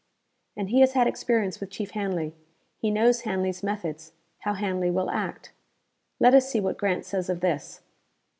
"And he has had experience with Chief Hanley. He knows Hanley's methods, how Hanley will act. Let us see what Grant says of this."